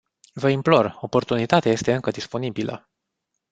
Vă implor, oportunitatea este încă disponibilă.